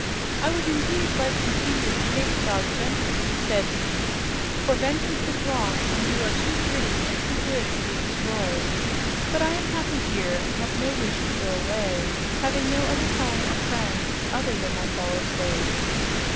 "I would indeed like to see you escape Zog's vengeance," said he, "for vengeance is wrong, and you are too pretty and too good to be destroyed. But I am happy here and have no wish to go away, having no other home or friends other than my fellow slaves."